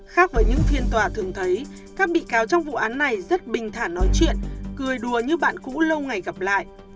khác với những phiên tòa thường thấy các bị cáo trong vụ án này rất bình thả nói chuyện cười đùa như bạn cũ lâu ngày gặp lại